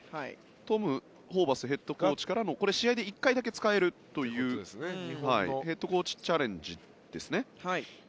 トム・ホーバスヘッドコーチからの試合で１回だけ使えるというヘッドコーチチャレンジですね。